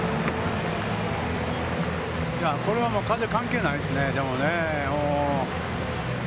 これはもう風関係ないっすね。